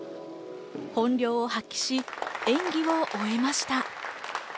本領を発揮し、演技を終えました。